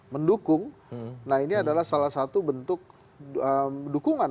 mendukung nah ini adalah salah satu bentuk dukungan